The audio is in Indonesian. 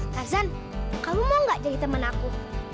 tarzan kamu mau gak jadi temen aku